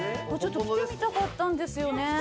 ちょっと来てみたかったんですよね。